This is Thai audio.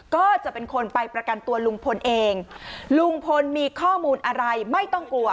ก็จะเป็นคนไปประกันตัวลุงพลเองลุงพลมีข้อมูลอะไรไม่ต้องกลัว